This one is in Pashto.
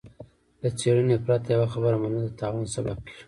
له څېړنې پرته يوه خبره منل د تاوان سبب کېږي.